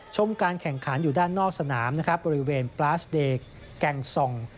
ชมการแข่งขันอยู่ด้านนอกสนามบริเวณปลาสเดกแกงซอง